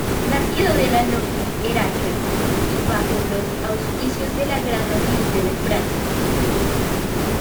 Nacido de la Logia Heracles y bajo los auspicios del Gran Oriente de Francia.